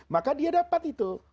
maka dia dapat itu